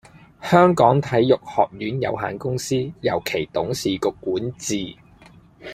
香港體育學院有限公司由其董事局管治